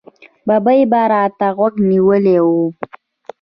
ببۍ به را ته غوږ نیولی و.